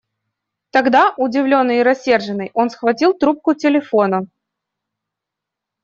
Тогда, удивленный и рассерженный, он схватил трубку телефона.